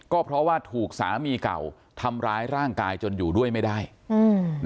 ก็เพราะว่าถูกสามีเก่าทำร้ายร่างกายจนอยู่ด้วยไม่ได้อืม